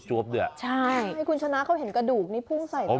ใช่ใช่คุณฉนาเขาเห็นในกระดูกปว้งใสก่อน